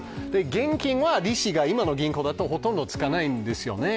現金は利子が今の銀行だとほとんどつかないんですよね。